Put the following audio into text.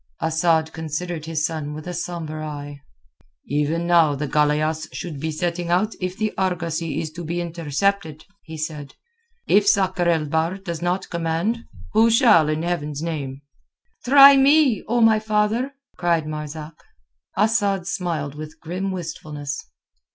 Asad considered his son with a sombre eye. "Even now the galeasse should be setting out if the argosy is to be intercepted," he said. "If Sakr el Bahr does not command, who shall, in Heaven's name?" "Try me, O my father," cried Marzak. Asad smiled with grim wistfulness.